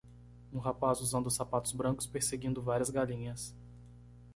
um rapaz usando sapatos brancos perseguindo várias galinhas